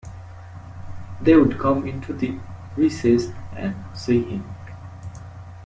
They would come into the recess and see him.